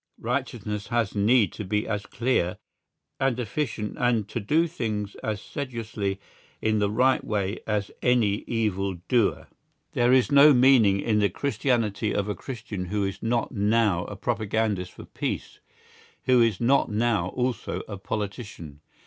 Righteousness has need to be as clear and efficient and to do things as sedulously in the right way as any evil doer. There is no meaning in the Christianity of a Christian who is not now a propagandist for peace—who is not now also a politician.